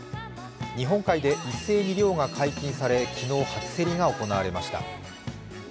日本海で一斉に漁が解禁され昨日、初競りが行われました。